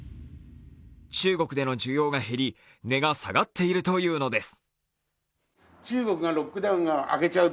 中国での需要が減り値が下がっているというのです。